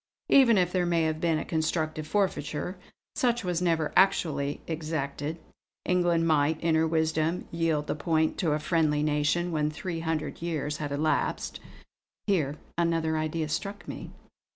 Even if there may have been a constructive forfeiture, such was never actually exacted; England might, in her wisdom, yield the point to a friendly nation, when three hundred years had elapsed." Here another idea struck me.